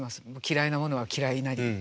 「嫌ひなものは嫌ひなり」。